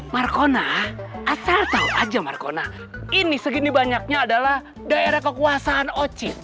marconiles hatta classics juga marcona ini segini banyaknya adalah daerah kakiwa tentimanya orang itu